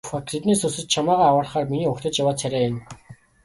Тэднээс өрсөж чамайгаа аврахаар миний угтаж яваа царай энэ.